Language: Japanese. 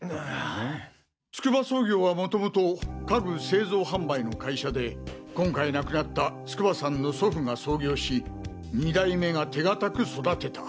ツクバ総業は元々家具製造販売の会社で今回亡くなった筑波さんの祖父が創業し二代目が手堅く育てた。